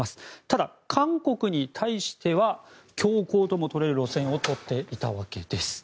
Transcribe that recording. ただ、韓国に対しては強硬とも取れる路線を取っていたわけです。